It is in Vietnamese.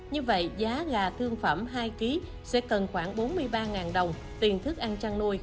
như vậy giá gà thương phẩm hai kg sẽ cần khoảng bốn mươi ba đồng tiền thức ăn chăn nuôi